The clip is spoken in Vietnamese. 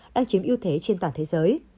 đang chiếm ưu thế trên toàn thế giới